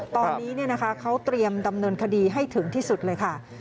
ตอนนี้เขาเตรียมดำเนินคดีให้ถึงที่สุดเลยค่ะ